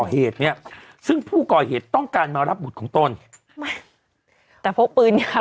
ผู้ก่อเหตุเนี้ยซึ่งผู้ก่อเหตุต้องการมารับบุตรของต้นไม่แต่เพราะปืนเขา